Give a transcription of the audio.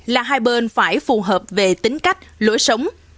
là hai bên phải phù hợp về tính cách lối sống